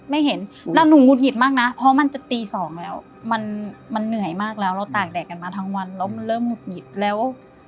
ไม่เห็นแล้วหนูหงุดหงิดมากนะเพราะมันจะตีสองแล้วมันเหนื่อยมากแล้วเราตากแดดกันมาทั้งวันแล้วมันเริ่มหุดหงิดแล้ว